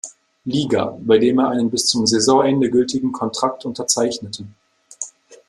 Liga, bei dem er einen bis zum Saisonende gültigen Kontrakt unterzeichnete.